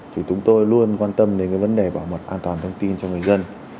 thì chúng tôi luôn quan tâm đến cái vấn đề bảo mật an toàn thông tin cho người dân